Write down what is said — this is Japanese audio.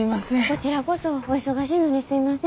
こちらこそお忙しいのにすいません。